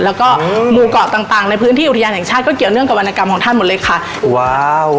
แล้วก็หมู่เกาะต่างต่างในพื้นที่อุทยานแห่งชาติก็เกี่ยวเนื่องกับวรรณกรรมของท่านหมดเลยค่ะว้าว